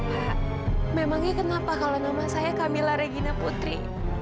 pak memangnya kenapa kalau nama saya kamila regina putri